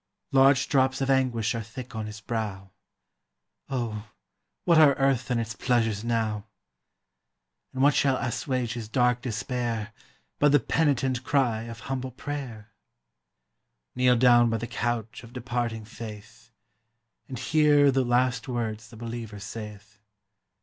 Large drops of anguish are thick on his brow; Oh, what are earth and its pleasures now! And what shall assuage his dark despair, But the penitent cry of humble prayer? Kneel down by the couch of departing faith, And hear the last words the believer saith.